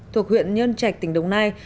thuộc huyện nhân trạch tỉnh đồng nai